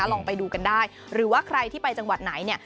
ลองไปดูกันได้หรือว่าใครที่ไปจังหวัดไหนเนี่ย